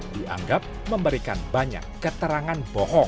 dianggap memberikan banyak keterangan bohong